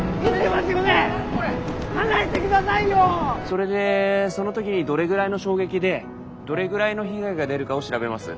それでその時にどれぐらいの衝撃でどれぐらいの被害が出るかを調べます。